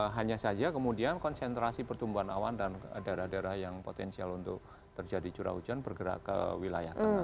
hanya saja kemudian konsentrasi pertumbuhan awan dan daerah daerah yang potensial untuk terjadi curah hujan bergerak ke wilayah tengah